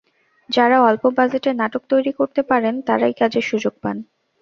যাঁরা অল্প বাজেটে নাটক তৈরি করতে পারেন, তাঁরাই কাজের সুযোগ পান।